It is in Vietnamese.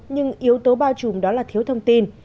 nhưng yếu tố bao trùm đó là thiếu thông tin